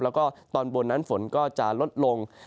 แล้วก็ตอนบนนั้นฝนก็จะลดลง